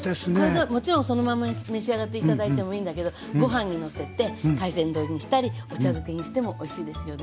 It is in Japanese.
もちろんそのまんま召し上がって頂いてもいいんだけどご飯にのせて海鮮丼にしたりお茶漬けにしてもおいしいですよね。